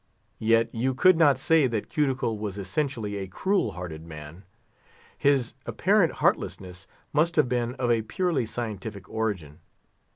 Yet you could not say that Cuticle was essentially a cruel hearted man. His apparent heartlessness must have been of a purely scientific origin.